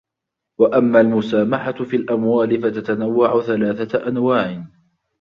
وَأَمَّا الْمُسَامَحَةُ فِي الْأَمْوَالِ فَتَتَنَوَّعُ ثَلَاثَةَ أَنْوَاعٍ